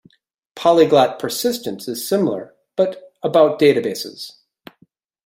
Polyglot persistence is similar, but about databases.